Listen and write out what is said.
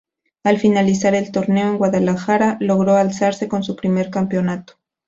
Al finalizar el torneo, el Guadalajara logró alzarse con su primer campeonato.